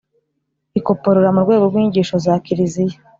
ikoporora mu rwego rw inyigisho za kiliziya